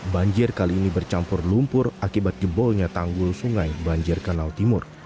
banjir kali ini bercampur lumpur akibat jebolnya tanggul sungai banjir kanal timur